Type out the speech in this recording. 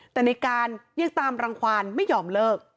แต่ในการยังตามรังความไม่ยอมเลิก